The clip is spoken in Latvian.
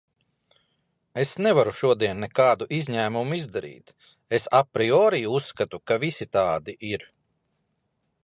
Es nevaru šodien nekādu izņēmumu izdarīt, es apriori uzskatu, ka visi tādi ir.